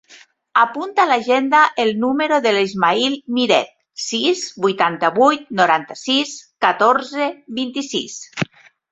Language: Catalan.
Apunta a l'agenda el número de l'Ismaïl Miret: sis, vuitanta-vuit, noranta-sis, catorze, vint-i-sis.